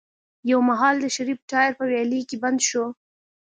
يو مهال د شريف ټاير په ويالې کې بند شو.